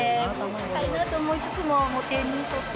高いなと思いつつも、もう手に取って。